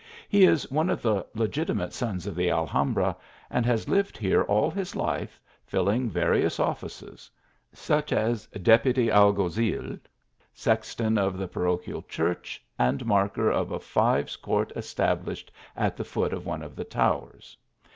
He is one of the legitimate sons of the Alhambra, and has lived here all his life, filling various offices; such as deputy Alguazil, sexton of the parochlil church, and marker of a five s court established at the foot of one of the towers.